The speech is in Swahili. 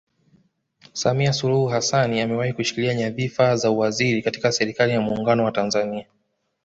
Samia Suluhu Hassan amewahi kushikilia nyadhifa za uwaziri katika serikali ya Muungano wa Tanzania